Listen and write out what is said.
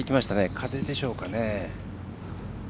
風でしょうかね。